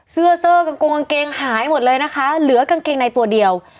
เสื้อเซอร์กากงกางเกงหายหมดเลยนะคะเหลือกางเกงในตัวเดียว